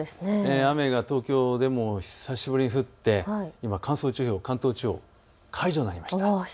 雨が東京でも久しぶりに降って今、乾燥注意報、関東解除になりました。